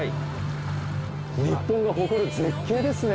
日本が誇る絶景ですね。